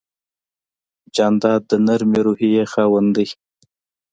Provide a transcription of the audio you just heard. جانداد د نرمې روحیې خاوند دی.